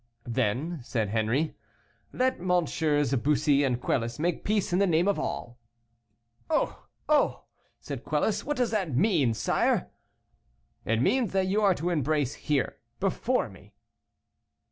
"Then," said Henri, "let MM. Bussy and Quelus make peace in the name of all." "Oh! Oh!" said Quelus, "what does that mean, sire?" "It means that you are to embrace here, before me."